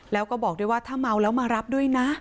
แล้วก็บอกด้วยว่าถ้าเมาแล้วมารับด้วยนะ